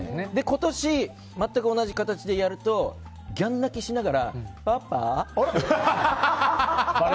今年、全く同じ形でやるとギャン泣きしながら、パパ？って。